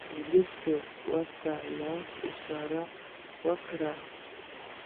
پولیس ورته لاس اشاره و کړه.